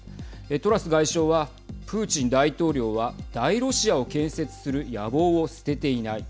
トラス外相は、プーチン大統領は大ロシアを建設する野望を捨てていない。